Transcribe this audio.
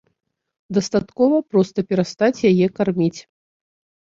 Дастаткова проста перастаць яе карміць.